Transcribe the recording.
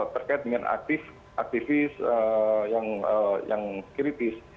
terkait dengan aktivis yang kritis